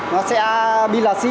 nó sẽ bi lò xin